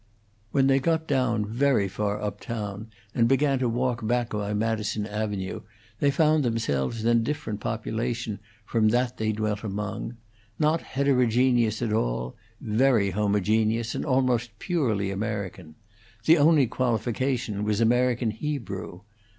When they got down very far up town, and began to walk back by Madison Avenue, they found themselves in a different population from that they dwelt among; not heterogeneous at all; very homogeneous, and almost purely American; the only qualification was American Hebrew.